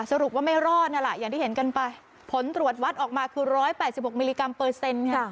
สรุปว่าไม่รอดนั่นแหละอย่างที่เห็นกันไปผลตรวจวัดออกมาคือ๑๘๖มิลลิกรัมเปอร์เซ็นต์ค่ะ